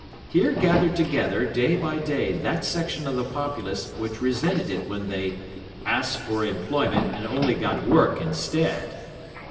Here gathered together day by day that section of the populace which resented it when they "asked for employment, and only got work instead".